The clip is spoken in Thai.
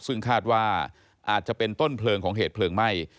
ซึ่งคาดว่าอาจจะเป็นต้นเพลิงของเหตุเพลิงไหม้